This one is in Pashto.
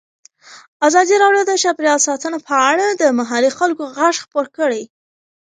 ازادي راډیو د چاپیریال ساتنه په اړه د محلي خلکو غږ خپور کړی.